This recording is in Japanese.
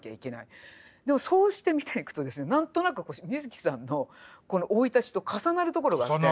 でもそうして見ていくとですね何となく水木さんの生い立ちと重なるところがあって。